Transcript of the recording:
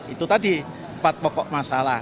itu tadi empat pokok masalah